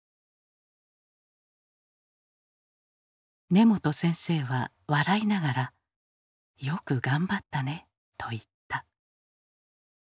根本先生は笑いながら「よく頑張ったね」と言った。